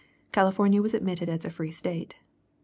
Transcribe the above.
California was admitted as a free State.